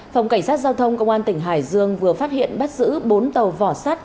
phòng cảnh sát giao thông công an tỉnh hải dương vừa phát hiện bắt giữ bốn tàu vỏ sắt